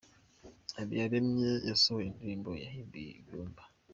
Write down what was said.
Habiyaremye yasohoye indirimbo yahimbiye Inyumba